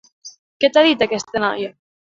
Què t'ha dit, aquesta noia?